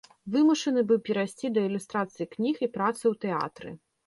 Вымушаны быў перайсці да ілюстрацыі кніг і працы ў тэатры.